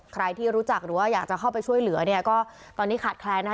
ใครที่รู้จักหรือว่าอยากจะเข้าไปช่วยเหลือเนี่ยก็ตอนนี้ขาดแคลนนะคะ